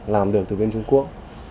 làm được từ bên trung quốc